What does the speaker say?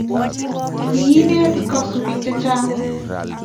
koibet kasubikyi chechang